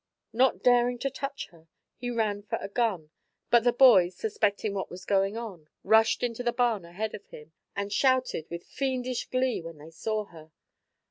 Not daring to touch her, he ran for a gun, but the boys, suspecting what was going on, rushed into the barn ahead of him, and shouted with fiendish glee when they saw her.